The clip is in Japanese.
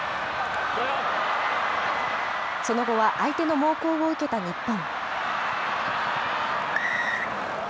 その後は、相手の猛攻を受けた日本。